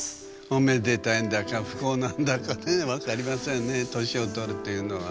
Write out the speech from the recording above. おめでたいんだか不幸なんだかねえ分かりませんね年を取るというのは。